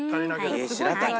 えっしらたき